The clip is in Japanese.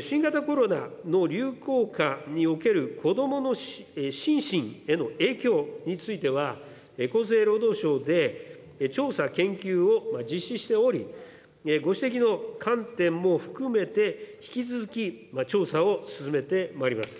新型コロナの流行下における子どもの心身への影響については、厚生労働省で調査、研究を実施しており、ご指摘の観点も含めて、引き続き調査を進めてまいります。